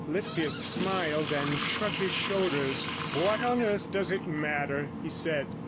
Lipsius smiled, and shrugged his shoulders. 'What on earth does it matter?' he said.